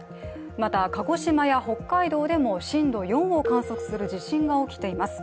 また鹿児島や北海道でも震度４を観測する地震が起きています。